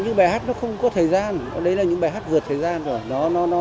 những bài hát nó không có thời gian đấy là những bài hát vượt thời gian rồi